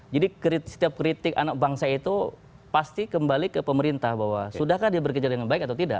jadi setiap kritik anak bangsa itu pasti kembali ke pemerintah bahwa sudahkah dia bekerja dengan baik atau tidak